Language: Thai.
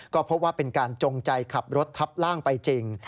ก็พบว่าเป็นการจงใจขับรถทับร่างไปจริง